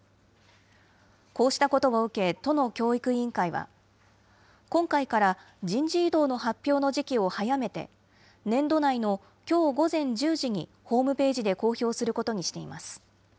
こうしたことを受け、都の教育委員会は、今回から人事異動の発表の時期を早めて、年度内のきょう午前１０時にホームページで公表することにしています。